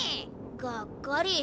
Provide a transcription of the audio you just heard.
がっかり。